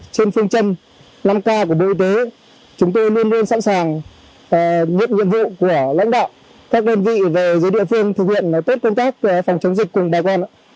trên phương châm năm k của bộ y tế chúng tôi luôn luôn sẵn sàng nhận nhiệm vụ của lãnh đạo các đơn vị về dưới địa phương thực hiện tốt công tác phòng chống dịch cùng bà con